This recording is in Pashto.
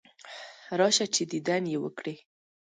راشه چې دیدن یې وکړې.